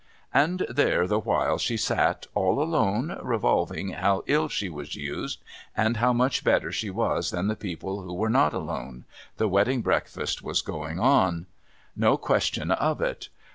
And there, the while she sat all alone revolving how ill she was used, and how much better she was than the people who were not alone, the wedding breakfast was going on : no question of it